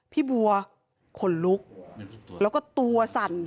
พี่บัวขนลุกแล้วก็ตัวสั่น